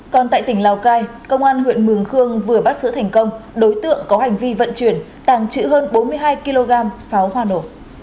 còn tại tỉnh lào cai công an huyện mường khương vừa bắt giữ thành công đối tượng có hành vi vận chuyển tàng trữ hơn bốn mươi hai kg pháo hoa nổ